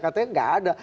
katanya gak ada